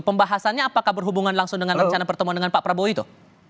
pembahasannya apakah berhubungan langsung dengan rencana pertemuan dengan pak prabowo itu